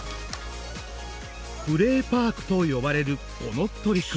プレーパークと呼ばれるこの取り組み。